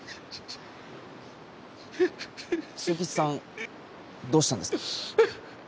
惣吉さんどうしたんですか？